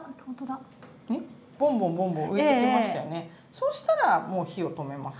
そうしたらもう火を止めます。